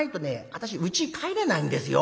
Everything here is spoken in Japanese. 私うちに帰れないんですよ。